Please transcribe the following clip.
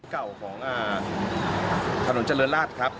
เก่าของถนนเจริญราชครับ